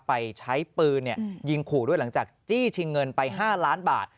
ไปใช้ปืนยิงขู่ด้วยหลังจากจี้ชิงเงินไป๕ล้านบาท